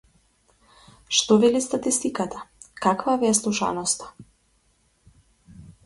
Што вели статистиката, каква ви е слушаноста?